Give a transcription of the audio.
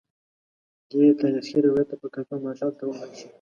دې تاریخي روایت ته په کتو مارشال ته وویل شي.